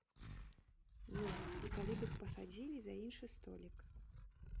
Ну, і калі б іх пасадзілі за іншы столік.